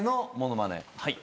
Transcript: はい。